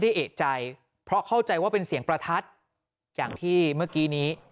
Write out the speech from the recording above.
เอกใจเพราะเข้าใจว่าเป็นเสียงประทัดอย่างที่เมื่อกี้นี้